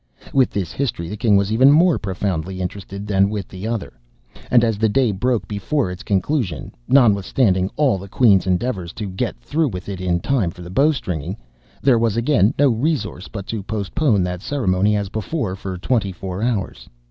With this history the king was even more profoundly interested than with the other—and, as the day broke before its conclusion (notwithstanding all the queen's endeavors to get through with it in time for the bowstringing), there was again no resource but to postpone that ceremony as before, for twenty four hours.